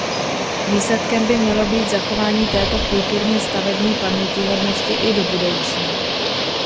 Výsledkem by mělo být zachování této kulturně–stavební pamětihodnosti i do budoucna.